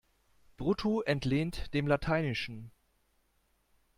Brutto entlehnt dem Lateinischen.